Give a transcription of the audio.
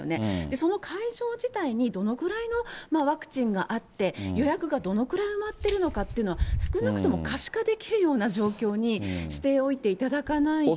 その会場自体にどのぐらいのワクチンがあって、予約がどのくらい埋まってるのかっていうのは、少なくとも可視化できるような状況にしておいていただかないと。